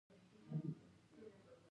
اسمان یو څه خوپ و.